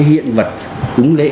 hiện vật cúng lễ